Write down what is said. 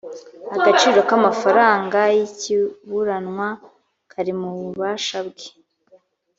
agaciro k’amafaranga y’ikiburanwa kari mu bubasha bwe